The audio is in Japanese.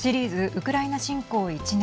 ウクライナ侵攻１年。